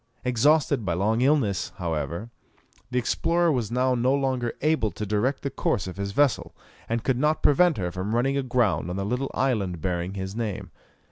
Exhausted by long illness, however, the explorer was now no longer able to direct the course of his vessel, and could not prevent her from running aground on the little island bearing his name.